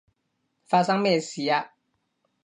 發生咩事啊？